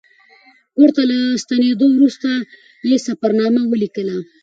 کور ته له ستنېدو وروسته یې سفرنامه ولیکله.